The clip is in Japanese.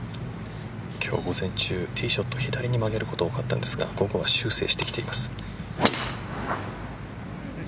今日午前中、ティーショット左に曲げることが多かったんですが午後は修正してきています。